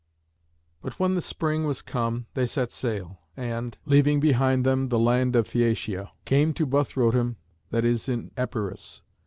But when the spring was come they set sail, and, leaving behind them the land of Phæacia, came to Buthrotum that is in Epirus.